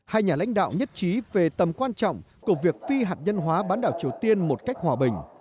hai nhà lãnh đạo nhất trí về tầm quan trọng của việc phi hạt nhân hóa bán đảo triều tiên một cách hòa bình